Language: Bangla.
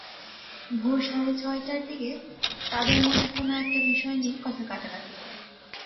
ভোর সাড়ে ছয়টার দিকে তাঁদের মধ্যে কোনো একটা বিষয় নিয়ে কথা-কাটাকাটি হয়।